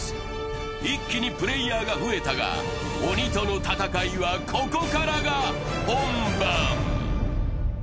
一気にプレーヤーが増えたが、鬼との戦いはここからが本番。